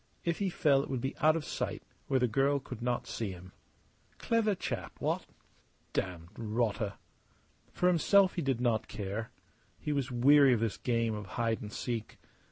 If he fell it would be out of sight, where the girl could not see him. Clever chap what? Damned rotter! For himself he did not care. He was weary of this game of hide and seek.